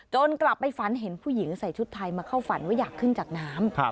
กลับไปฝันเห็นผู้หญิงใส่ชุดไทยมาเข้าฝันว่าอยากขึ้นจากน้ำ